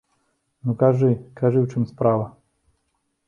Ну, кажы, кажы, у чым справа?